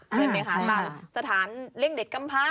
ใช่ไหมคะมาสถานเล่นเด็กกำพาห์